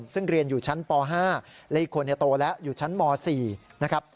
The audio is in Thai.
ซึ่งเรียนอยู่ชั้นป๕และอีกคนโตแล้วอยู่ชั้นม๔นะครับ